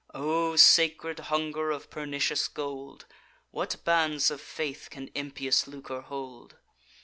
O sacred hunger of pernicious gold! What bands of faith can impious lucre hold?